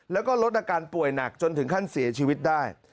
แล้วก็ลดอาการป่วยหนักจนถึงขั้นเสียชีวิตได้